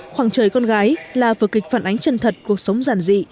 khoảng trời con gái là vợ kịch phản ánh chân thật cuộc sống giản dị